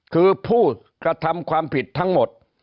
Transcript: คือผู้กระทำความผิดทั้งหมด